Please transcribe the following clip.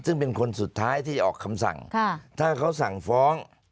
ซึ่งเป็นคนสุดท้ายที่ออกคำสั่งถ้าเขาสั่งฟ้อง